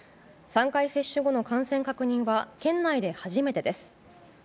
３回接種後の感染確認は県内で初めてです。